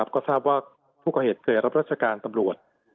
ก็ทราบว่าผู้ก่อเหตุเคยรับราชการตำรวจ